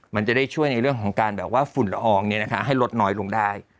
มันจะได้ช่วยในเรื่องของการแบบว่าฝุ่นละอองให้ลดน้อยลงได้